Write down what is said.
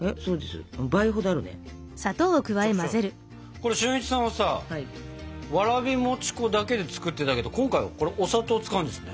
これ俊一さんはさわらび餅粉だけで作ってたけど今回はこれお砂糖を使うんですね。